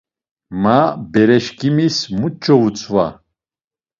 Ma bereşǩimis muç̌o vutzva?